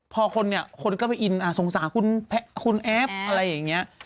พอคนเนี่ยคนก็ไปอินสงสารคุณแอฟอะไรอย่างนี้